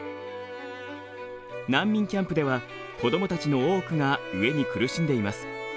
難民キャンプでは子どもたちの多くが飢えに苦しんでいます。